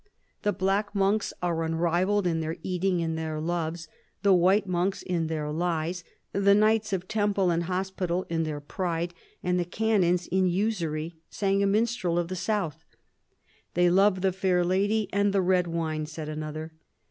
"The black monks are VI PHILIP AND THE PAPACY 183 unrivalled in their eating and their loves ; the white monks in their lies ; the knights of Temple and Hospital in their pride, and the canons in usury," sang a minstrel of the south. " They love the fair lady and the red wine," said another.